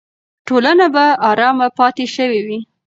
ټولنه به ارامه پاتې شوې وي.